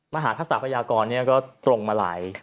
มหาธักษาพยากรนี้ก็ตรงมาราย